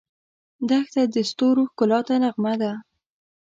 دښته د ستورو ښکلا ته نغمه ده.